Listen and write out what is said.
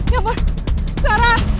ya ampun kelara